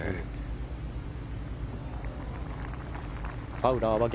ファウラーです。